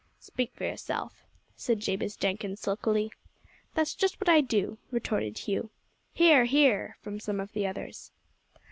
"Speak for yourself," said Jabez Jenkins sulkily. "That's just what I do," retorted Hugh. "Hear, hear!" from some of the others.